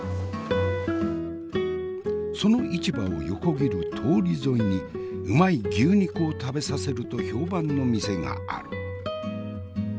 その市場を横切る通り沿いにうまい牛肉を食べさせると評判の店がある。